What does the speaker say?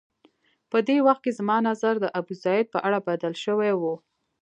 په دې وخت کې زما نظر د ابوزید په اړه بدل شوی و.